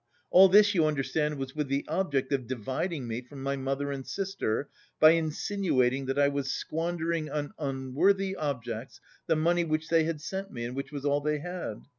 All this you understand was with the object of dividing me from my mother and sister, by insinuating that I was squandering on unworthy objects the money which they had sent me and which was all they had.